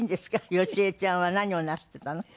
好重ちゃんは何をなすってたの？